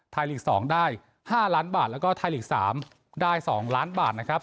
ลีก๒ได้๕ล้านบาทแล้วก็ไทยลีก๓ได้๒ล้านบาทนะครับ